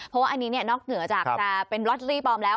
เพราะว่าอันนี้นอกเหนือจากจะเป็นล็อตเตอรี่ปลอมแล้ว